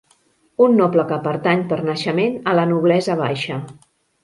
Un noble que pertany per naixement a la noblesa baixa